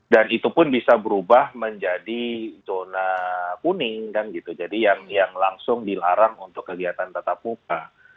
dan itu pun bisa berubah menjadi zona kuning jadi yang langsung dilarang untuk kegiatan tatap muka